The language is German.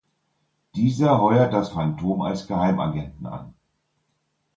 Dieser heuert das Phantom als Geheimagenten an.